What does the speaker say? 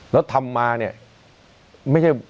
แล้วทำมาเนี่ย